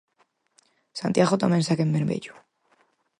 Santiago tamén segue en vermello.